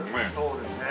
そうですね。